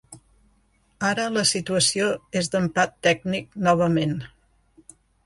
Ara la situació és d’empat tècnic novament.